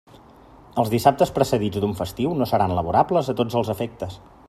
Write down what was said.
Els dissabtes precedits d'un festiu no seran laborables a tots els efectes.